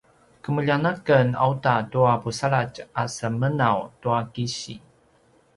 kemeljang aken auta tua pusaladj a semenaw tua kisi